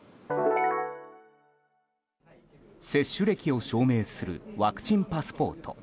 接種歴を証明するワクチンパスポート。